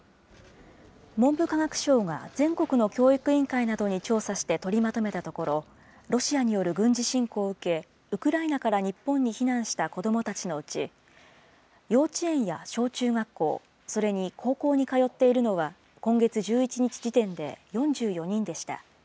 文部科学省が全国の教育委員会などに調査して取りまとめたところ、ロシアによる軍事侵攻を受け、ウクライナから日本に避難した子どもたちのうち、幼稚園や小中学校、それに高校に通っているのは、今月１１日時点で４４人でした。